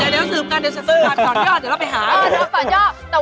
ในวงการสนองพอดีน่ะเดี๋ยวเราไปหา